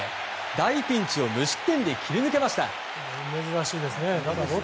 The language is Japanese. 大ピンチを無失点で切り抜けました。